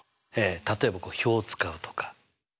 例えば表を使うとか。